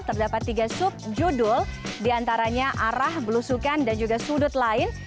terdapat tiga subjudul diantaranya arah belusukan dan juga sudut lain